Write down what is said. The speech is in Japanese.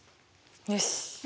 よし！